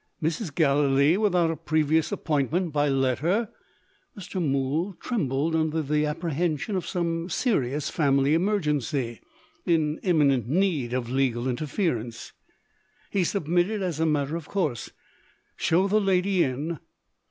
Mrs. Gallilee, without a previous appointment by letter! Mr. Mool trembled under the apprehension of some serious family emergency, in imminent need of legal interference. He submitted as a matter of course. "Show the lady in."